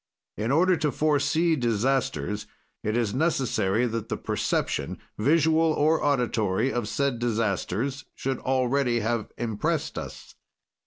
"In order to foresee disasters it is necessary that the perception visual or auditory of said disasters should already have imprest us.